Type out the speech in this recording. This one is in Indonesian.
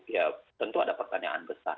ya tentu ada pertanyaan besar